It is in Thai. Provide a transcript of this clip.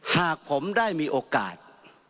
หากผมได้มีโอกาส